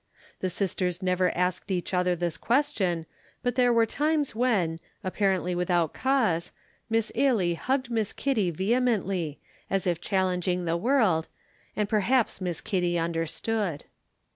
The sisters never asked each other this question, but there were times when, apparently without cause, Miss Ailie hugged Miss Kitty vehemently, as if challenging the world, and perhaps Miss Kitty understood.